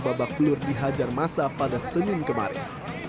babak belur dihajar masa pada senin kemarin